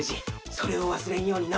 それをわすれんようにな。